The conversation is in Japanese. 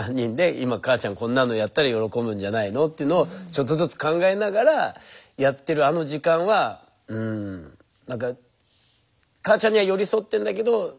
今母ちゃんこんなのやったら喜ぶんじゃないのというのをちょっとずつ考えながらやってるあの時間はうん何か母ちゃんには寄り添ってんだけど